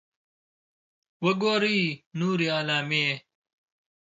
.وګورئ نورې علامې